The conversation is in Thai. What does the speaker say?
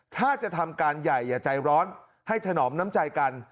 ถ้าจะทำการใหญ่อย่าใจร้อนให้ถนอมน้ำใจกัน